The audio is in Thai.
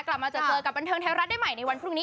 กลับมาเจอกับบันเทิงไทยรัฐได้ใหม่ในวันพรุ่งนี้